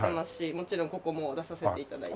もちろんここも出させて頂いたり。